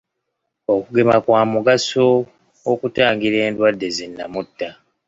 Okugema kwa mugaso okutangira endwadde zi nnamutta.